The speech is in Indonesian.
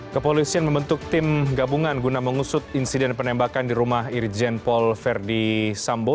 kepolisian membentuk tim gabungan guna mengusut insiden penembakan di rumah irjen paul verdi sambo